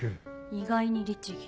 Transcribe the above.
意外に律義。